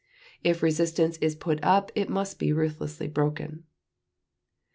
If resistance is put up it must be ruthlessly broken."